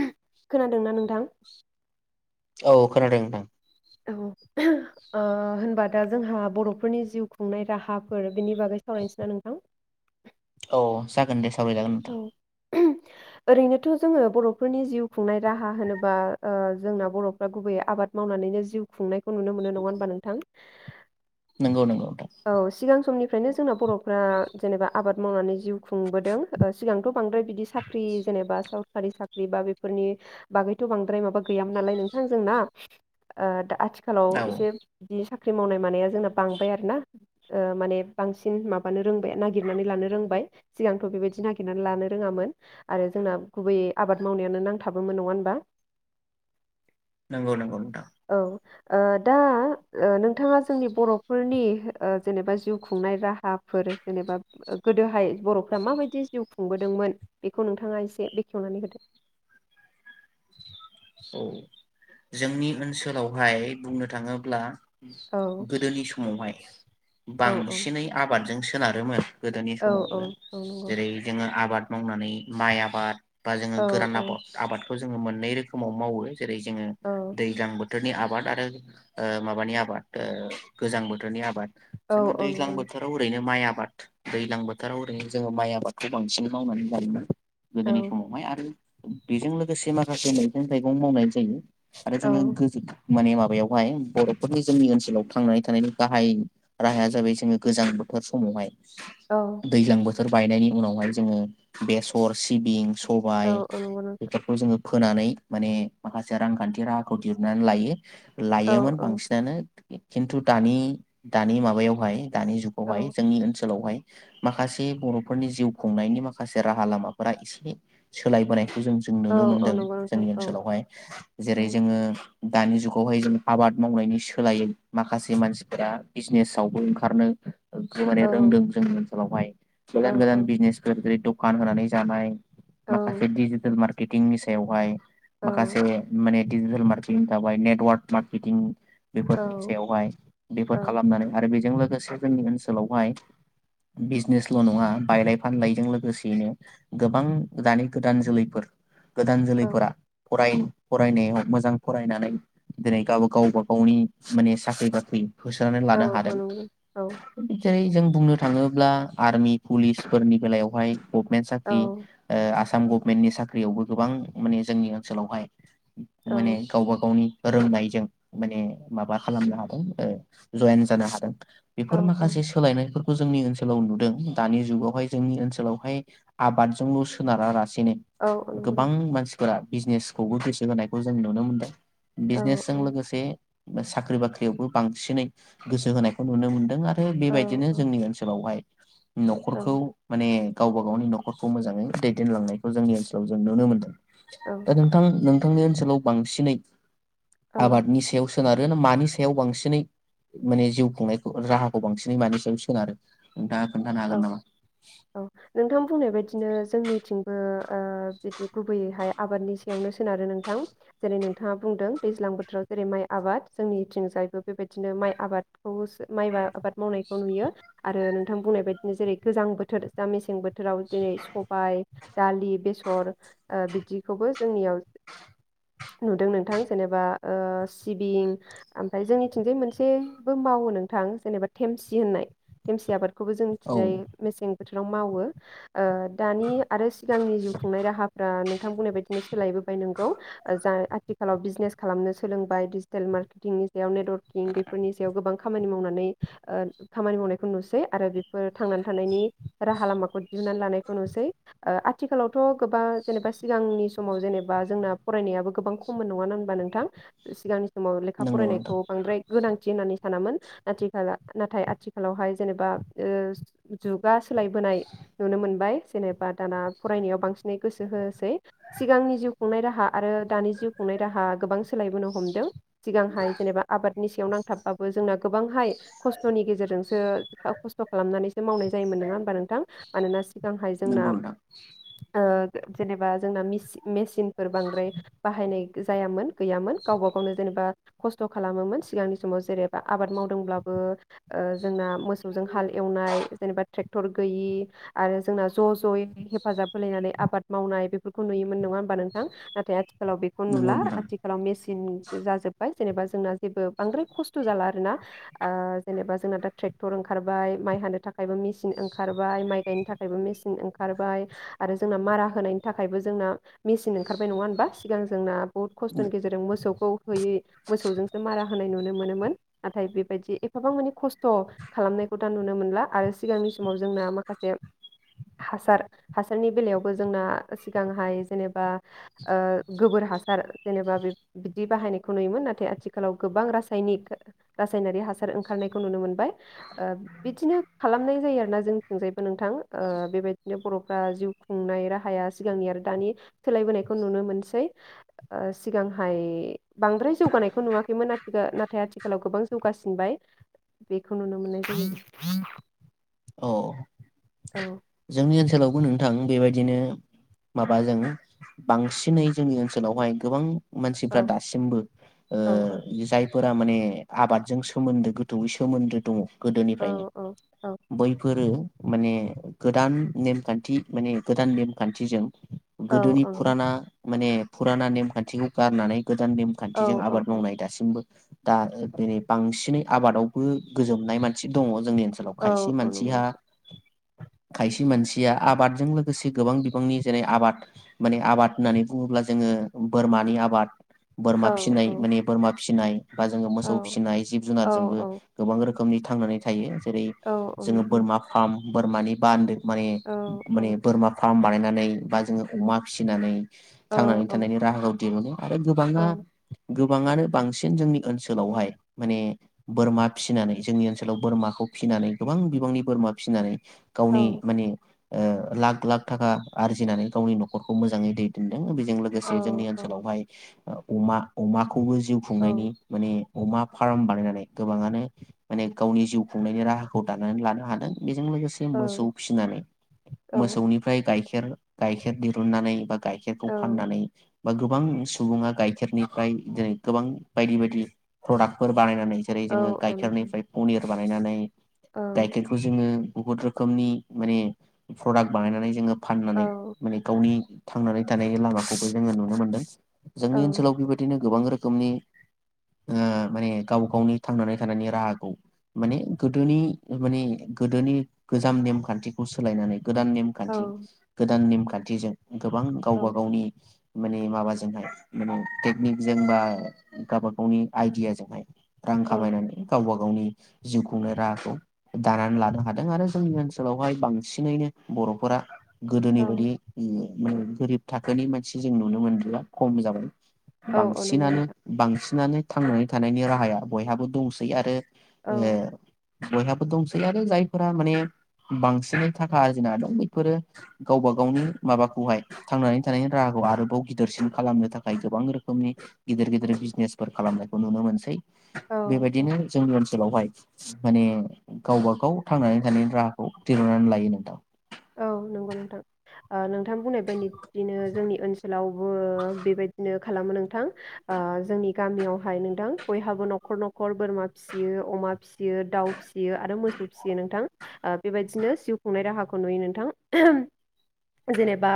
ओ खोनादोंना नोंथां औ खोनादों नोंथां औ ओ होनबा दा जोंहा बर'फोरनि जिउ खुंनाय राहाफोर बेनि बागै सावरायनोसै ना नोंथां औ जागोन दे सावराय जागोन नोंथां ओ ओरैनोथ' जोङो बर'फोरनि जिउ खुंनाय राहा होनोबा ओ जोंना बर'फ्रा गुबैयै आबाद मावनानैनो जिउ खुंनाय खौ नुनो मोनो नङा होनबा नोंथां नंगौ नंगौ नोंथां औ सिगां समनिफ्रायनो जोंना बर'फ्रा जेनेबा आबाद मावनानै जिउ खुंबोदों ओ सिगांथ' बांद्राय बिदि साख्रि जेनेबा सरकारि साख्रि बा बेफोरनि बागैथ' बांद्राय माबा गैयामोन नालाय नोंथां जोंना ओ दा आथि खालाव औ एसे बिदि साख्रि ख्रि मावनाय मानाया जोंना बांबाय आरो ना। ओ माने बांसिन माबानो रोंबाय नागिरनानै लानो रोंबाय सिगांथ बेबायदि नागिरनानै लानो रोङामोन आरो जोंना गुबैयै आबाद मावनायानो नांथाबोमोन नङा होनबा। नोंगौ नोंगौ। औ ओ दा ओ नोंथाङा जोंनि बर'फोरनि ओ जेनेबा जिउ खुंनाय राहाफोर जेनेबा गोदोहाय बर'फ्रा माबायदि जिउ खुंबोदोंमोन बेखौ नोंथाङा एसे बेखेवनानै होदो। औ जोंनि ओनसोलावहाय बुंनो थाङोब्ला औ गोदोनि समावहाय औ बांसिनै आबादजों स सोनारोमोन गोदोनि औ औ समावबो नंगौ जेरै जोङो आबाद मावनानै माइ आबाद बा जोङो औ गोरान औ आबाद आबाद खौ जों मोननै रो खोमाव मावो। जेरै जोङो औ दैज्लां बो बोथोरनि आबाद आरो ओ माबानि आबाद ओ गोजां बोथोरनि आबाद औ जोङो औ दैज्लां नंगौ बोथोराव ओरैनो माइ आ बाद दैजलां बोथोराव ओरैनो जोङो माइ आबादखौ बांसिन मावनानै जायोना। गोदोनि औ समावहाय आरो बेजों लोगोसे से माखासे मै गं थाइगं मावनाय जायो। आरो जोंङो औ गोजो माने माबायावहाय बर'फोरनि जोंनि ओनसोलाव थांनानै थानायनि गाहाय राहाया जाबाय जोङो गोजां बोथोर समावहाय औ दैज्लां बो थोर बायनायनि उनावहाय जोङो बेसर सिबिं सबाय औ औ नंगौ नोंथां बेफोरखौ जोङो फोनानै माने माखासे रांखान्थि राहाखौ दिहुननानै लायो। औ लायोमोन औ बांसिनानो खिन्थु दानि दानि माबायावहाय दानि औ जुगावहाय जोंनि ओनसोलावहाय माखासे बर'फोरनि जिउ खुंनायनि माखासे राहा लामाफोरा एसे सोलायबोनाय जों जों औ नुनो औ मोनदों। नंगौ नोंथां जोंनि औ ओनसोलावहाय औ जेरै जोङो दानि जुगावहाय जों आबाद मावनायनि सोलायै माखासे मानसिफोरा बिजनेसावबो ओंखारनो खौ औ माने रोंदों जोंनि ओनसोलावहाय औ गोजान औ गोजान बिजनेस जेरै दख दखान होनानै जानाय औ माखासे दिजिटेल मार एडिटिंनि सायावहाय औ माखासे माने डिजिटेल मार्केटिं थांबाय नेटवार्क मार्केटिं औ बेफोरनि सायावहाय बेफोर औ खालामनानै आरो बे जों लोगोसे जोंनि ओनसोलावहाय बिजनेसल' नङा बायलाय फानलायजों लोगोसेयैनो गोबां दानि गोदान जोलैफोर गोदान जोलैफोरा फराय फरायनायाव मोजां फरायनानै दिनै गाव गावबा गावनि माने साख्रि बाख्रि होसोनानै लानो औ हादों नंगौ नोंथां औ जेरै जों बुंनो थाङोब्ला आर्मि पुलिसफोरनि बेलायावहाय गभमेन औ साख्रि ओ आ आसाम गभमेन्टनि साख्रियावबो गोबां माने जोंनि ओनसोलावहाय औ माने गावबा गावनि रोंनायजों माने माबा खालामनो हादों ओ जयेन जानो हादों औ बेफोर माखासे सोलायनायफोर जोंनि ओनसोलाव नुदों दानि जुगावहाय जोंनि ओनसोलावहाय आबादजोंल' सोनारा रा सिनो औ औ नंगौ गोबां नोंथां मानसि फोरा बिजनेसखौबो गोसो होनायखौ जों नुनो मोनदों बिजसनेस औ लोगोसे साख्रि बाख्रियावबो बांसिनै गोसो होनायखौ नुनो मोनदों आरो आरो बेबायदिनो जोंनि ओनसोलावहाय न'खरखौ माने गावबा गावनि नखरखौ मोजाङै दैदेनलांनायखौ जोंनि ओनसोलाव जों नुनो मोन्दों औ दा नोंथां नों नोंथांनि ओनसोलाव बांसिनै औ आबादनि सायाव सोनारो मानि सायाव बांसिनै माने जिउ खुंनायखौ राहाखौ बांसिनै मानि सायाव सोनारो नोंथाङा खोन्थानो औ हागोन नामा? औ नोंथां बुंनाय बायदिनो जोंनिथिंबो ओ बिदि गुबैयैहाय आबादनि सायावनो सोनारो नोंथां जेरै नोंथाङा बुंदों दैज्लां बोथोराव जेरै माइ आबाद जोंनिथिंजायबो बेबायदिनो माइ आबाद औ माइबा आबाद मावनाय नुयो आरो नोंथां बुंनाय बायदि जेरै गोजां बोथोर दा मेसें बोथोर बोथोराव जेरै सबाय दालि बे सर ओ बिदिखौबो जोंनियाव नुदों नोंथां जेनेबा ओ सिबिं ओमफाय जोंनिथिंजाय मोनसेबो मावो नोंथां जेनबा थेमसि होननाय थेमसि आबादखौबो औ जाय मेसें बो बोथोराव मावो ओ दानि आरो सिगांनि जिउ खुंनाय राहाफ्रा नों थां बुंनाय बायदिनो सोलायबोबाय नोंगौ आथिखालाव बिजनेस खालामनो सोलोंबाय डिजिटेल मार्केटिंनि बेायाव नेटवार्किं बेफोरनि सायाव गोबां खामानि मावनानै ओ खामानि मावनायखौ नुसै आरो फोर थांनानै थानायनि राहा लामाखौ नानै लानायखौ नुसै आथिखालावथ' गोबां जेनेबा सिगांनि समाव जेनेबा जोंना फरायनायाबो गोबां कमन नङा ना होनबा नोंथां सिगांनि समाव लेखा नंगौ नोंथां फरायनायखौ बांद्राय गोनांथि होननानै सानामोन आथिाल नाथाय आथिखालावहाय जेनेबा ओ जुगा सोलायबोनाय नुनो मोनबाय जेनेबा दाना फरायनायाव बांसिनै गोसो होसै सिगांनि जिउ खुंनाय राहा आरो दानि जिउ खुंनाय राहा गोबां सोलायबोनो हमदों सिगांहाय जेनेबा आबाद नि सायाव नांथाबबाबो जोंना गोबांहाय खस्थ'नि गेजेरजोंसो आननासि नोंगौ नोंथां ओ जेनेबा जोंना मेसिन फोर बांद्राय बाहायनाय जायामोन गैयामोन गावबा गावनो जेनेबा खस्थ' खालामोमोन सिगांनि समाव जेरेबा आबाद मावदोंब्लाबो ओ जोंना मो मोसौजों हाल एवनाय जेनेबा ट्रेक्टर गैयि आरो जोंना ज' ज'यै हेफाजाब होलायनानै आबाद मावनाय बेफोरखौ नुयोमोन नङा होमबा नोंथां नाथाय आथि आथिखालाव बेखौ नंगौ नुला नोंथां आथिखालाव मेसिन जाजोब्बाय जेनेबा जोंना जेबो बांद्राय खस्थ' जाला आरो ना ओ जेनेबा जोंना दा ट्रे क्टर ओंखारबाय माइ हानो थाखायबो मेसिन ओंखारबाय माइ गायनो थाखायबो मेसिन ओंखारबाय आरो जोंना मारा होनायनि थाखायबो जोंना मेचिन ओंखारबाय नङा होनबा सिगां जोंना बुहुत खस्थ'नि गेजेरजों मोसौखौ होयै मोसौजोंसो मारा होनाय नुनो मोनोमोन नाथाय बेबायदि एफाबां मानि खस्थ' खालामनायखौ दा नुनो मोनला आरो सिगांनि समाव जोंना माखासे हासार हासारनि बेलायावबो जोंना सिगांहाय जेनेबा ओ गोबोर हासार जेनेबा बे बिदि बाहायनायखौ नुयोमोन नाथाय आथिखालाव गोबां रासायनिक रासायनारि हासार ओंखारनायखौ नुनो मोनबाय ओ बिदिनो खालामनाय जायो आरोना जोंनिथिंजायबो नोंथां ओ बेबायदिनो बर'फ्रा जिउ खुंनाय राहाया सिगांनि आरो दानि सोलायबोनायखौ नुनो मोनसै ओ सिगांहाय बांद्राय जौगानायखौ नुवाखैमोन आ नाथाय आथिखालाव गोबां जौगासिनबाय बेखौ नुनो मोननाय [inaudible] औ औ जोंनि ओनसोलाव नोंथां बेबायदिनो माबाजों बांसिनै जोंनि ओनसोलावहाय गोबां मानसिफ्रा औ दासिमबो औ जाय फोर माने आबादजों सोमोन्दो गोथौयै सोमोन्दो दङ औ औ औ बेफोरो माने गोदान नेमखान्थि माने गोदान नेमखान्थिजों औ गोदोनि ओं फुराना माने फुराना नेम खान्थिखौ गारनानै गोदान औ नेमखान्थिजों औ आबाद औ मावनाय दासिमबो दा रै बांसिनै आबादावबो गोजोमनाय मानसि दङ जोंनि औ खायसे औ नंगौ मानसिहा खायसे मानसिया आबादजों लोगोसे गोबां बिबांनि जेरै आबाद माने आबाद होननानै बुङोब्ला जोङो बोरमानि आबाद औ बोरमा फिसिनाय औ औ माने बोरमा फिसिनाय बा जोङो औ मोसौ फिसिनाय जिब जुनारजोंबो औ गोबां रोखोम रोखोमनि थांनानै थायो जेरै औ औ जोङो नंगौ बोरमा फार्म बोरमानि बान्दो माने औ औ माने बोरमा फार्म बानाय फनानै बा जोङो अमा फिसिनानै औ थांनानै थानायनि राहाखौ दिहुनो आरो औ गोबाङा गोबाङानो बांसिन जोंनि ओनसोलावहाय माने बोरमा फिसिनानै जोंनि ओनसोलाव बोरमाखौ फिसिनानै गोबां बिबांनि बोरमा फिसिनानै औ गावनि नंगौ माने ओ लाख लाख थाखा आरजिनानै गावनि न'खरखौ मोजाङै दैदेनदों जों लोगोसे औ जोंनि ओनसोलावहाय उमा अमा खौबो जिउ खुंनायनि माने अमा फार्म बानायनानै गोबाङानो माने गावनि जिउ खुंनायनि राहा खौ दानानै लानो हादों बेजों लोगोसे मोसौ फिसिनानै मोसौनिफ्राय गायखेर गायखेर दिरूननानै बा गायखेरखौ औ फाननानै बा गोबां सुबुङा गाइखेरनिफ्राय जेरै गोबां बायदि बायदि प्रदाक्टफोर बानायनानै जेरै जोङो औ नंगौ नोंथां गाइखेरनिफ्राय पनिर बानायनानै गाइखेरखौ जोङो बुहुत रोखोमनि माने प्रदाक बानायनानै जोङो फाननानै माने गावनि थांनानै थानाय लामाखौबो जोङो नुनो मोनदों जोंनि ओनसोलाव बेबायदिनो गोबां रोखोमनि ओ माने गाव गावनि थांनानै थानायनि राहाखौ माने गोदोनि माने गोदोनि गोजाम नेमखानथिखौ सोलायनानै गोदान नेमखानथि गोदान नेम खानथिजों गोबां गावबा गावनि माने माबाजोंहाय माने टेकनिकजों बा गावबा गावनि आइडियाजोंहाय रां खामायनानै गावबा गाव गावनि जिउखुंनाय राहाखौ दानानै लानो हादों आरो जोंनि ओनसोलावहाय बांसिनैनो बर'फोरा गोदोनि बायदि माने गोरिब थाखोनि मानसि जों नुनो मोनलिया खम जाबाय बांसिनानो बांसि नानो थांनानै थानायनि राहाया बयहाबो दंसै आरो ए बयहाबो फोर दंसै आरो जायफोरा माने बांसिनै थाखा आरजिना दं बेफोरो गावबा गावनि माबाखौहाय थांनानै थानायनि राहाखौ आरोबाव गिदिरसिन खालामनो थाखाय गोबां रोखोमनि गिदिर गिदिर बिजनेसफोर खालामनायखौ नुनो मोनसै औ औ बेबायदिनो जोंनि ओन सोलावहाय माने गावबागाव थांनानै थानायनि राहाखौ दिरुननानै लायो नोंथां औ नंगौ नोंथां ओ नों थां बुंनाय ब बिदिनो जोंनि ओनसोलावबो बेबायदिनो खालामो नोंथां ओ जोंनि गामियावहाय नोंथां बयहाबो न'खर न'खर बोरमा फिसियो अमा फिसियो दाउ फिसियो आरो मोसौ फिसियो नोंथां ओ बेबायदिनो जिउ खुंनाय राहाखौ नुयो नोंथां जेनेबा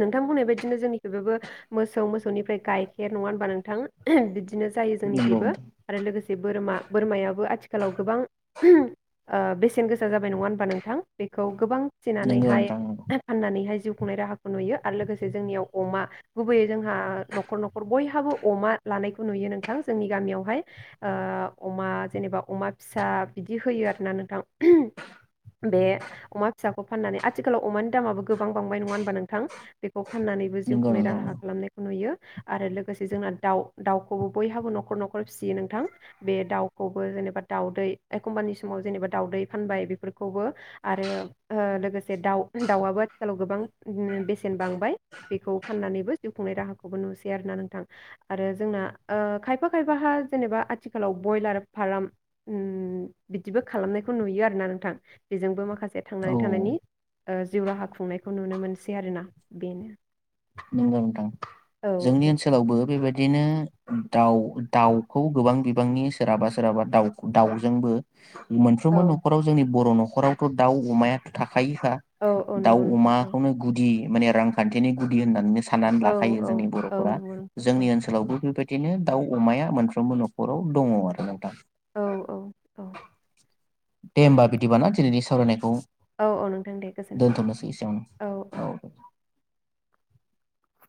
नोंथांबुंनाय बायदिनो जोंनिखौबो मोसौ मोसौनिफ्राय गाइखेर नङा होनबा नोंथां बिदिनो जायो नंगौ जोंनिखिबो नोंथां आरो लोगोसे बोरमा बोरमायाबो आथिखालाव गोबां ओ बेसेन गोसा जाबाय नङा होनबा नोंथां बेखौ गोबां नंगौ फिसिनानैहाय नोंथां फाननानैहाय जिउ खुंनाय राहाखौ नुयो आरो लोगोसे जोंनियाव अमा गुबै जोंहा न'खर न'खर बयहाबो अमा लानायखौ नुयो नोंथां जोंनि गामियावहाय अमा जेनेबा अमा फिसा बिदि होयो आरोना नोंथां बे अमा फिसाखौ फाननानै आथिखालाव अमानि दामाबो गोबां बांबाय नङा होनबा नोंथां बेखौ फाननानैबो जिउ नंगौ खुंनाय नोंथां राहा खालामनायखौ नुयो आरो लोगोसे जोंना दाउ दाउखौबो बयहाबो न'खर न'खर फिसियो नोंथां बे दाउखौबो जेनेबा दाउदै एखमबानि समाव जेनेबा दाउदै फानबाय बेफोरखौबो आरो ओ लोगोसे दाउ दाउआबो आथिखालाव गोबां बेसेन बांबाय बेखौ फाननानैबो जिउ खुंनाय राहाखौबो नुसै आरो ना नोंथां आरो जोंना खायफा खायफाहा जेनेबा आथिखालाव बयलार फार्म बिदिबो खालामनायखौ नुयो आरो ना नोंथां बेजोंबो माखासे औ थांनानै थानायनि नंगौ जिउ राहा खुंनायखौ नुनो मोनसै आरोना बेनो नंगौ नोंथां औ जोंनि ओनसोलावबो बेबायदि बिदिनो दाउ दाउखौ गोबां बिबांनि सोरहाबा सोरहाबा दाउ दाउजोंबो औ मोनफ्रोमबो न'खराव जोंनि बर' न'ख न'खरावथ' दाउ अमायाथ' थाखा खायो फा औ औ दाउ नंगौ नोंथां अमाखौनो गुदि माने रांखान्थिनि गुदि होननानैनो सान साननानै औ लाखायो औ जोंनि औ बर'फोरा नंगौ नोंथां औ जोंनि ओनसोलावबो बेबायदि बिदिनो दाउ अमाया मोनफ्रोमबो न'खराव दङ आरो नोंथां औ औ औ दे होमबा बिदि बाना दिनैनि सावरायनायखौ औ औ नोंथां दे गोजोन्थों दोनथ'नोसै एसेयावनो औ औ